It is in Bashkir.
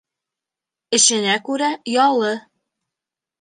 Эшенә күрә ялы.